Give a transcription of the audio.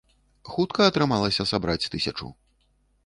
Хутка атрымалася сабраць тысячу?